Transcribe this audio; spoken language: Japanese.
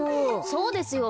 そうですよ。